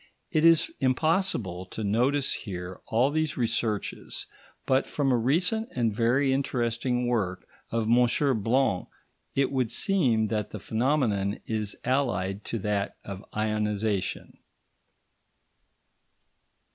It is impossible to notice here all these researches, but from a recent and very interesting work of M. Blanc, it would seem that the phenomenon is allied to that of ionisation.